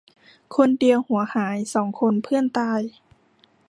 คนเดียวหัวหาย สองคนเพื่อนตาย